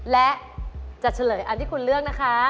และจะเฉลยอันที่คุณเลือกนะคะ